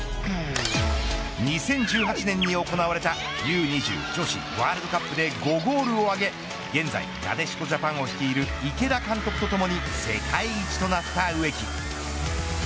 ２０１８年に行われたＵ‐２０女子ワールドカップで５ゴールを挙げ現在なでしこジャパンを率いる池田監督とともに世界一となった植木。